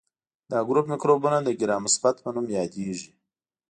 دا ګروپ مکروبونه د ګرام مثبت په نوم یادیږي.